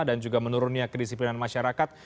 dan juga menurunnya kedisiplinan masyarakat